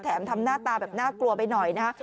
ทำหน้าตาแบบน่ากลัวไปหน่อยนะฮะ